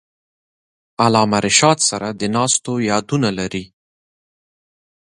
علامه رشاد سره د ناستو یادونه لري.